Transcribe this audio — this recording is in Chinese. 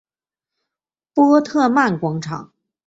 波特曼广场。